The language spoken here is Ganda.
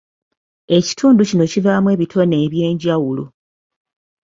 Ekitundu kino kivaamu ebitone ebyenjawulo.